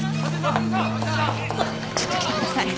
ちょっと来てください。